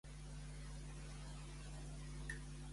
Qui és Macià Alavadera?